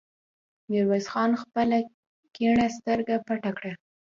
ميرويس خان خپله کيڼه سترګه پټه کړه.